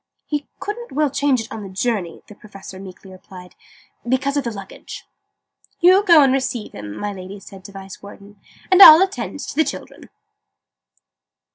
"He couldn't well change it on the journey," the Professor meekly replied, "because of the luggage." "You go and receive him," my Lady said to the Vice Warden, "and I'll attend to the children."